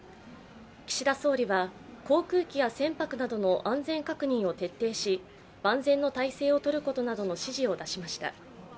岸田総理は航空機や船舶などの安全確認を徹底し万全の態勢をとることなどの指示を出しました。